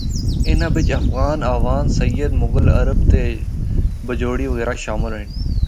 اِناں بچ افغان، آوان، سید، مغل، عرب تے بجوڑی وغیرہ شامل ہن۔